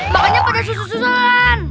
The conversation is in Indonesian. makanya pada susu susulan